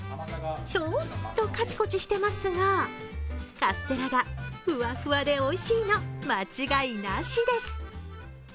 ちょっとカチコチしてますがカステラがふわふわでおいしいの間違いなしです。